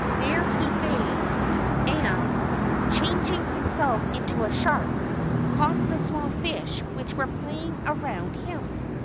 There he bathed, and, changing himself into a shark, caught the small fish which were playing around him.